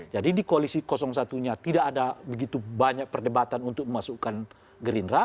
jadi di koalisi satu nya tidak ada begitu banyak perdebatan untuk memasukkan gerindra